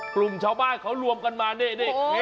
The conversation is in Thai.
กลุ่มชาวบ้านเขารวมกันมานี่